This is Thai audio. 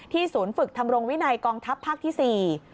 ศูนย์ฝึกทำรงวินัยกองทัพภาคที่๔